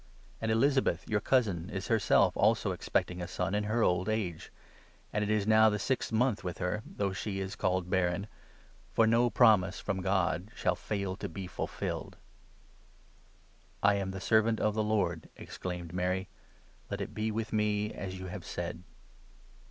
And Elizabeth, your cousin, is herself also expecting a 36 son in her old age ; and it is now the sixth montli with her, though she is called barren ; for no promise from God shall 37 fail to be fulfilled." " I am the servant of the Lord," exclaimed Mary ;" let it be 38 with me as you have said."